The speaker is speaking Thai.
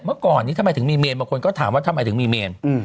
เมื่อก่อนนี้ทำไมถึงมีเมนบางคนก็ถามว่าทำไมถึงมีเมน